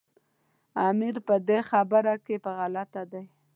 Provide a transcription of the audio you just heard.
امیر په دې خبره کې په غلطه دی.